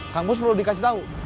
kamu perlu dikasih tau